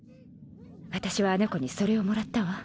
私はあの子にそれをもらったわ。